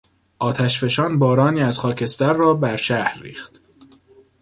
آتشفشان بارانی از خاکستر را بر شهر ریخت.